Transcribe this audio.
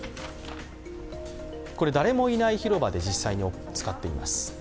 これ、誰もいない広場で実際に使っています。